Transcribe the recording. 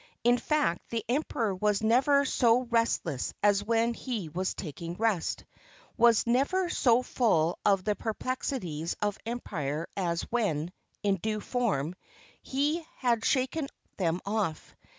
In fact, the Emperor was never so restless as when he was taking rest; was never so full of the perplexities of empire as when, in "due form," he had shaken them off.